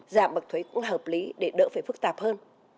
giảm bậc thuế cũng là hợp lý để đỡ phải phức tạp hơn